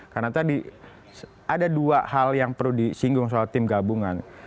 karena tadi ada dua hal yang perlu disinggung soal tim gabungan